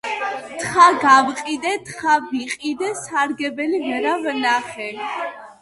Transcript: თხა გავყიდე, თხა ვიყიდე, სარგებელი ვერა ვნახე.